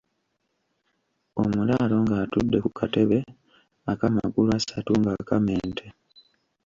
Omulaalo ng'atudde ku katebe ak'amagulu asatu ng'akama ente.